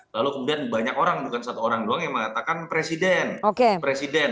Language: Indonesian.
lalu kemudian banyak orang bukan satu orang doang yang mengatakan presiden